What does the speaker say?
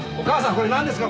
これなんですか？